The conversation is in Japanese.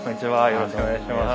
よろしくお願いします。